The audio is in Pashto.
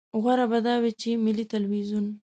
غوره به دا وي چې ملي ټلویزیون.